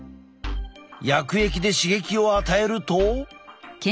薬液で刺激を与えると。